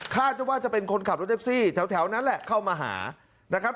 จะว่าจะเป็นคนขับรถแท็กซี่แถวนั้นแหละเข้ามาหานะครับ